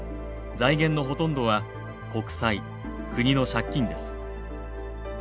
財源のほとんどは国債国の借金です。